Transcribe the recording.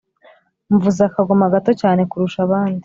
mvuza akagoma gato cyane kurusha abandi